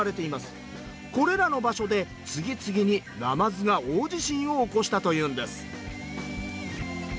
これらの場所で次々になまずが大地震を起こしたというんです。